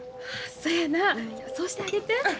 そやなそうしてあげて。